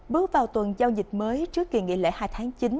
bước vào tuần giao dịch mới trước kỳ nghỉ lễ hai tháng chín